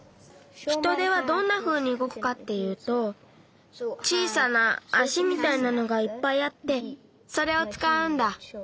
ヒトデはどんなふうにうごくかっていうと小さな足みたいなのがいっぱいあってそれをつかうんだ。